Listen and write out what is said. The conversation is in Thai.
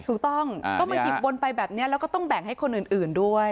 ถูกต้องก็มาหยิบบนไปแบบนี้แล้วก็ต้องแบ่งให้คนอื่นด้วย